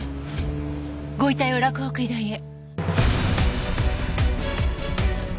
ご遺体を洛北医大へ。